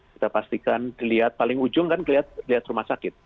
kita pastikan dilihat paling ujung kan lihat rumah sakit